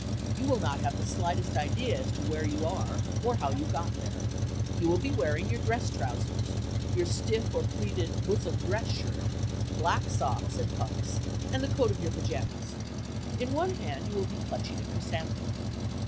You will not have the slightest idea as to where you are or how you got there. You will be wearing your dress trousers, your stiff or pleated bosom dress shirt, black socks and pumps, and the coat of your pajamas. In one hand you will be clutching a chrysanthemum.